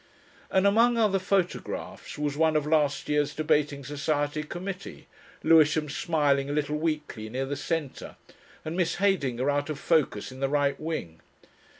And among other photographs was one of last year's Debating Society Committee, Lewisham smiling a little weakly near the centre, and Miss Heydinger out of focus in the right wing.